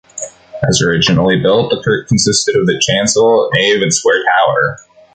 As originally built, the kirk consisted of the chancel, nave and square tower.